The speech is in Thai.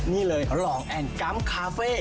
นี่เลยหล่องแอ่นกรัมคาเฟ่